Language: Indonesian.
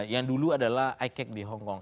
yang dulu adalah ike di hongkong